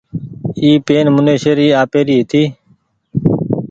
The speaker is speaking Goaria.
اي پين منيشي ري آپيري هيتي۔